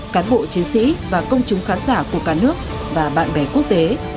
cán bộ chiến sĩ và công chúng khán giả của cả nước và bạn bè quốc tế